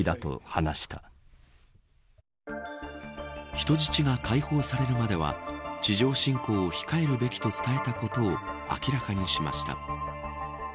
人質が解放されるまでは地上侵攻を控えるべきと伝えたことを明らかにしました。